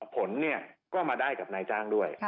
ผลก็มาได้กับนายจ้างด้วย